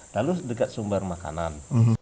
lalu dekat sumber makanan